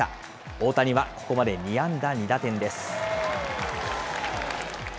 大谷はここまで２安打２打点です。